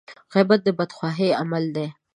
غيبت د بدخواهي عمل دی.